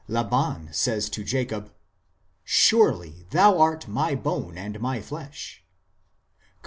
Laban says to Jacob :" Surely thou art my bone and my flesh," cp.